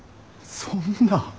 そんな！